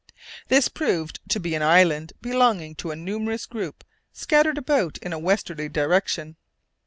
This proved to be an island belonging to a numerous group scattered about in a westerly direction.